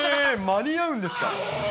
間に合うんですか？